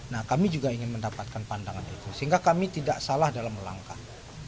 nah kami juga ingin mendapatkan pandangan itu sehingga kami tidak salah dalam melangkah